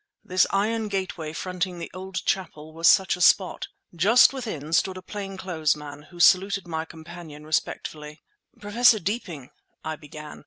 This iron gateway fronting the old chapel was such a spot. Just within stood a plain clothes man, who saluted my companion respectfully. "Professor Deeping," I began.